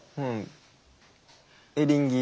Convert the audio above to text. エリンギ。